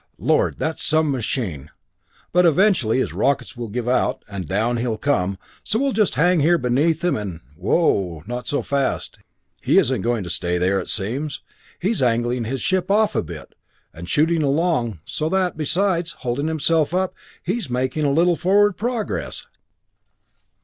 Lord, that's some machine! But eventually his rockets will give out, and down he will come, so we'll just hang here beneath him and whoa not so fast he isn't going to stay there, it seems; he is angling his ship off a bit, and shooting along, so that, besides, holding himself up, he is making a little forward progress.